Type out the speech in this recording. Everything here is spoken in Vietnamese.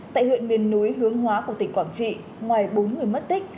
tại huyện miền núi hướng hóa của tỉnh quảng trị ngoài bốn người mất tích